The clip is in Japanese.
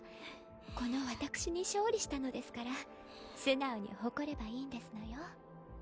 この私に勝利したのですから素直に誇ればいいんですのよ？